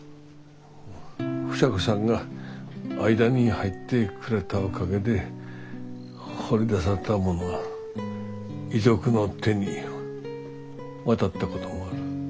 房子さんが間に入ってくれたおかげで掘り出せたものが遺族の手に渡ったこともある。